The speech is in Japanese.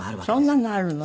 そんなのあるの。